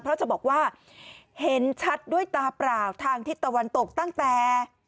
เพราะจะบอกว่าเห็นชัดด้วยตาเปล่าทางทิศตะวันตกตั้งแต่